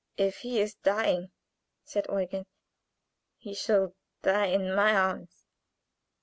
"If he is dying," said Eugen, "he shall die in my arms."